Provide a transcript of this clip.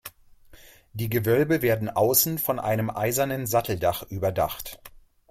Die Gewölbe werden außen von einem eisernen Satteldach überdacht.